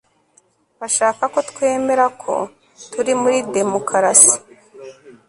Bashaka ko twemera ko turi muri demokarasi